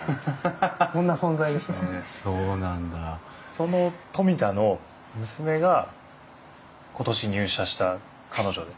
その冨田の娘が今年入社した彼女です。